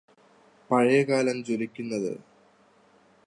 പഴയ കാലം ജ്വലിക്കുന്നതു